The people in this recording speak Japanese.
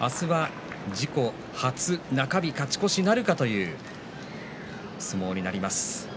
明日は自己初、中日勝ち越しなるかという相撲になります。